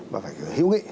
và phải hiểu nghĩ